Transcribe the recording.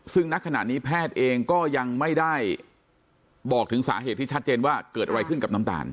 ซึ่งณขณะนี้แพทย์เองก็ยังไม่ได้บอกถึงสาเหตุที่ชัดเจนว่าเกิดอะไรขึ้นกับน้ำตาล